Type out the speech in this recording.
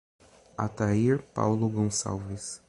Atair Paulo Goncalves